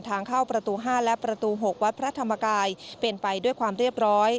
ทางเข้าประตู๕และประตู๖วัดพระธรรมกายเป็นไปด้วยความเรียบร้อย